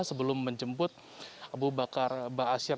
sebelum menjemput abu bakar basir